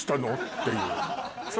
っていう。